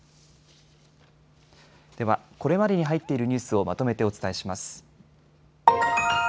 では、これまでに入っているニュースをまとめてお伝えします。